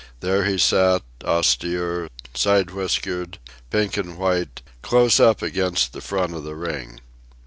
There he sat, austere, side whiskered, pink and white, close up against the front of the ring.